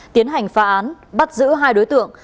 tiến hành phá án bắt giữ hai đối tượng